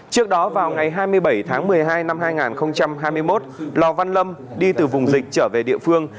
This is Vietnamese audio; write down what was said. trước đó vào ngày hai mươi bảy tháng một mươi hai năm hai nghìn hai mươi một lò văn lâm đi từ vùng dịch trở về địa phương